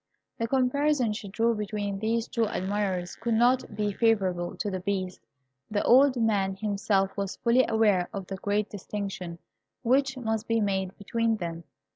The comparison she drew between these two admirers could not be favourable to the Beast. The old man himself was fully aware of the great distinction which must be made between them.